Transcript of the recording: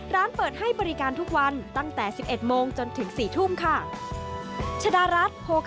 ร้านเปิดให้บริการทุกวันตั้งแต่๑๑โมงจนถึง๔ทุ่มค่ะ